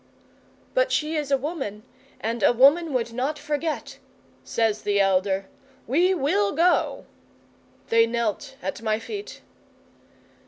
'"But she is a woman, and a woman would not forget," says the elder. "We will go!" They knelt at my feet.